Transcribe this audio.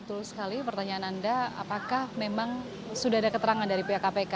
betul sekali pertanyaan anda apakah memang sudah ada keterangan dari pihak kpk